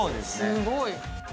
すごい。